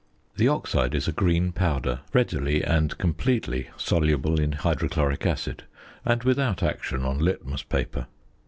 The oxide is a green powder, readily and completely soluble in hydrochloric acid, and without action on litmus paper.